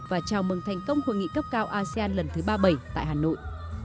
và chào mừng thành công hội nghị cấp cao asean lần thứ ba mươi bảy tại hà nội